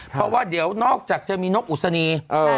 เพราะว่าเดี๋ยวนอกจากจะมีนกอุศนี